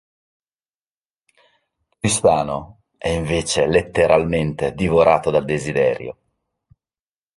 Tristano è invece letteralmente divorato dal desiderio.